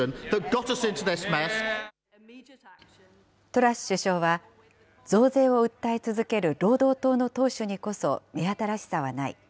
トラス首相は、増税を訴え続ける労働党の党首にこそ、目新しさはない。